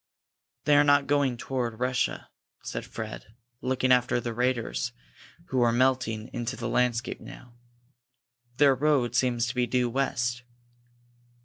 "They are not going toward Russia," said Fred, looking after the raiders, who were melting into the landscape now. "Their road seems to be due west."